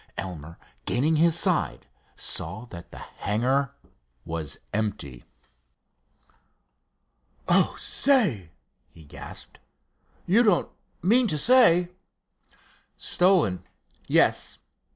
Elmer, gaining his side, saw that the hangar was empty. "Oh, say!" he gasped, "you don't mean to say——" "Stolen? Yes!